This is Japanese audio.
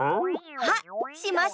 あっしましま。